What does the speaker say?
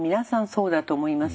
そうだと思います。